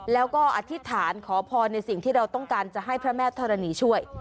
แล้วก็อธิษฐานขอพรในสิ่งที่เราต้องการจะให้พระแม่ธรณีช่วย